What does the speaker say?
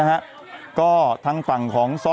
เออเออเออเออ